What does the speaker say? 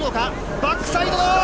バックサイド。